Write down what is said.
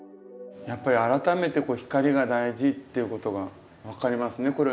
やっぱり改めて光が大事っていうことが分かりますね